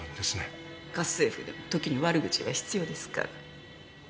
家政婦でも時に悪口は必要ですから。